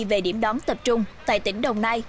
về điểm đón tập trung tại tỉnh đồng nai